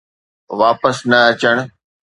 واپس نه اچڻ.